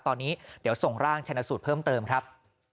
ตอนนี้เดี๋ยวส่งร่างชนะสูตรเพิ่มเติมครับ